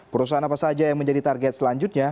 perusahaan apa saja yang menjadi target selanjutnya